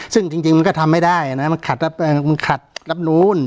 ซึ่งจริงมันก็ทำไม่ได้นะมันขัดรับนูน